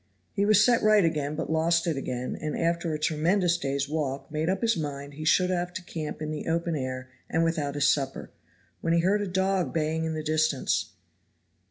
He was set right again, but lost it again; and after a tremendous day's walk made up his mind he should have to camp in the open air and without his supper when he heard a dog baying in the distance.